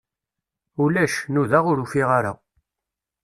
Ulac, nudaɣ ur ufiɣ kra.